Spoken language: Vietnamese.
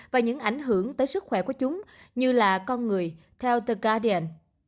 và những ảnh hưởng tới sức khỏe của chúng như là con người theo the guardian